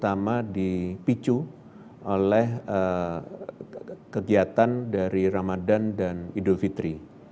terutama dipicu oleh kegiatan dari ramadan dan idul fitri